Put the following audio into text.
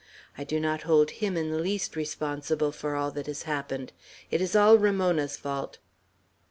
I do not hold him in the least responsible for all that has happened. It is all Ramona's fault."